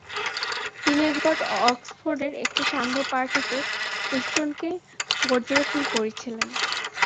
তিনি একবার অক্সফোর্ডের একটি সান্ধ্য পার্টিতে হুইটস্টোনকে পর্যবেক্ষণ করেছিলেন।